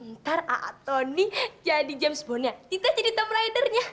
ntar a'a tony jadi james bond nya tita jadi tomb raider nya